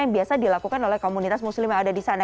yang biasa dilakukan oleh komunitas muslim yang ada di sana